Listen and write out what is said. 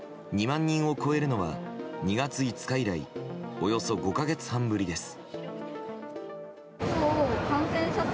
２万人を超えるのは２月５日以来およそ５か月半ぶりです。